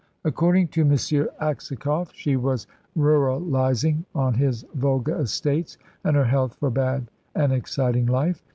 According to M. Aksakoff, she was ruralising on his Volga estates, and her health forbade an exciting life.